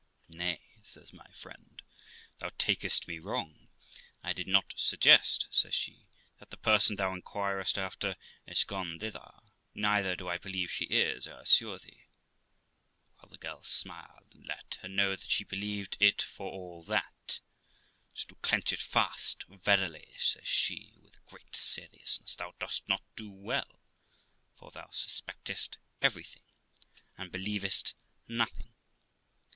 'Nay', says my friend, 'thou takest me wrong; I did not suggest', says she, 'that the person thou inquirest after is gone thither, neither do I believe she is, I assure thee.' Well, the girl smiled, and let her know that she believed it for all that; so, to clench it fast, 'Verily', says she, with great seriousness, 'thou dost not do well, for thou suspectest every 378 THE LIFE OF ROXANA thing and believest nothing.